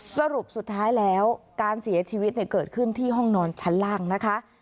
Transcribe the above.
สรุปสุดท้ายแล้วการเสียชีวิตเกิดขึ้นที่ห้องนอนชั้นล่างนะคะ